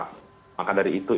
maka dari itu ini peningkatan